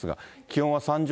気温は３０．３度。